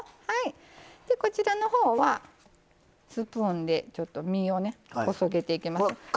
こちらのほうはスプーンで実をこそげていきます。